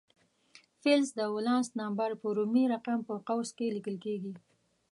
فلز د ولانس نمبر په رومي رقم په قوس کې لیکل کیږي.